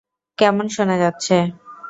কেমন শোনা যাচ্ছে?